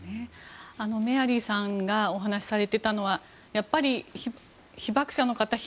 メアリーさんがお話しされていたのは被爆者の方